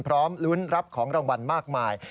พร้อมลุ้นรับของรางวัลมากมาย